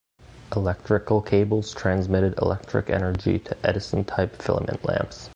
Electrical cables transmitted electric energy to Edison-type filament lamps.